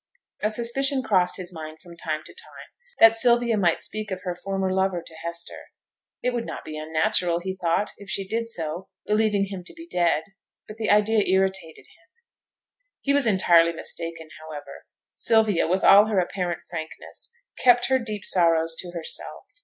A suspicion crossed his mind, from time to time, that Sylvia might speak of her former lover to Hester. It would be not unnatural, he thought, if she did so, believing him to be dead; but the idea irritated him. He was entirely mistaken, however; Sylvia, with all her apparent frankness, kept her deep sorrows to herself.